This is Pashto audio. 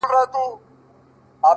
نوره سپوږمۍ راپسي مه ږغـوه”